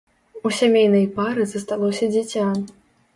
У сямейнай пары засталося дзіця.